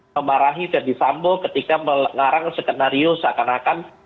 memarahi fede sambo ketika mengarang skenario seakan akan